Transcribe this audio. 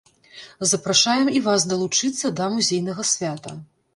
Запрашаем і вас далучыцца да музейнага свята!